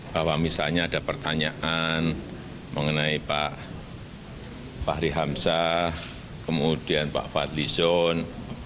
bahwa misalnya ada pertanyaan mengenai pak fahri hamzah kemudian pak fadli zon